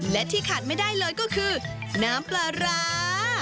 และที่ขาดไม่ได้เลยก็คือน้ำปลาร้า